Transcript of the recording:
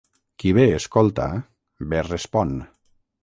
Qui bé escolta, bé respon.